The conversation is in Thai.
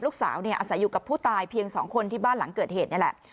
อาศัยอยู่กับผู้ตายเพียง๒คนที่บ้านหลังเกิดเหตุนี่แหละ